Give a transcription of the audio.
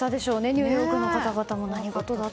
ニューヨークの方々も。